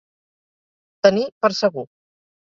Tenir per segur.